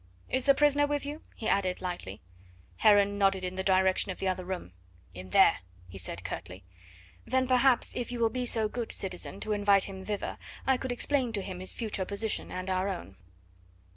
Is the prisoner with you?" he added lightly. Heron nodded in the direction of the other room. "In there," he said curtly. "Then, perhaps, if you will be so good, citizen, to invite him thither, I could explain to him his future position and our own."